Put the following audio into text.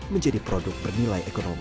menjadi produk bernilai ekonomis